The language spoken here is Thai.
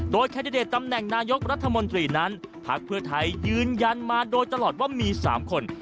แคนดิเดตตำแหน่งนายกรัฐมนตรีนั้นพักเพื่อไทยยืนยันมาโดยตลอดว่ามี๓คน